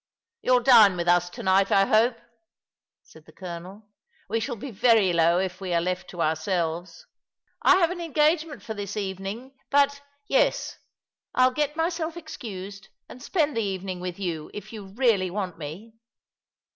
" You'll dine with us to night, I hope," said the colonel. '' We shall be very low if we are left to ourselves." " I've an engagement for this evening — but — ^yes, I'll get myself excused, and spend the evening with you, if you really want me."